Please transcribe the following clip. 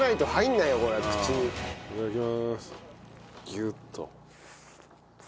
ギュッと。